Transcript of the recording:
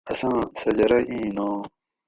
اساں سجرہ ایں ناں